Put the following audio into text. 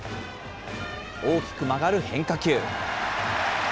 大きく曲がる変化球。